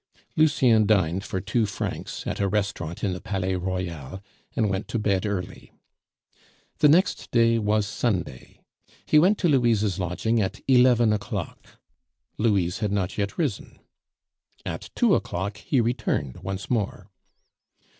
Lucien dined for two francs at a restaurant in the Palais Royal, and went to bed early. The next day was Sunday. He went to Louise's lodging at eleven o'clock. Louise had not yet risen. At two o'clock he returned once more.